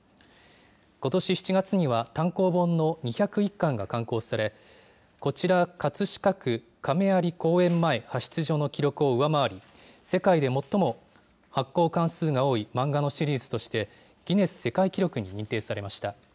ことし７月には、単行本の２０１巻が刊行され、こちら葛飾区亀有公園前派出所の記録を上回り、世界で最も発行巻数が多い漫画のシリーズとして、ギネス世界記録に認定されました。